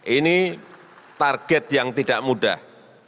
ini target yang tidak mudah